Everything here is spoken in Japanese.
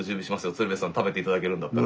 鶴瓶さん食べていただけるんだったら。